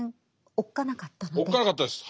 おっかなかったです。